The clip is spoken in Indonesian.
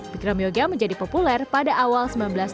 pikram yoga menjadi populer pada awal seribu sembilan ratus sembilan puluh